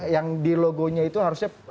yang di logonya itu harusnya